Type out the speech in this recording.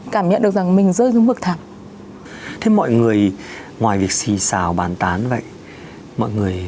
cháu cũng không biết phải làm gì